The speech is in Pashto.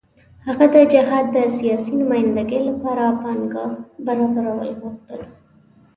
هغه د جهاد د سیاسي نمايندګۍ لپاره پانګه برابرول غوښتل.